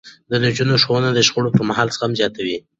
د نجونو ښوونه د شخړو پرمهال زغم زياتوي.